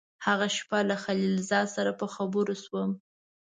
هغه شپه له خلیل زاده سره په خبرو شوم.